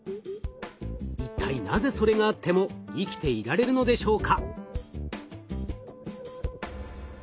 一体なぜそれがあっても生きていられるのでしょうか？